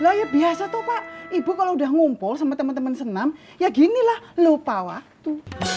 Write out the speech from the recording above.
lah ya biasa tuh pak ibu kalau udah ngumpul sama teman teman senam ya ginilah lupa waktu